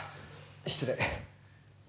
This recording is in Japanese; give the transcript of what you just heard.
失礼。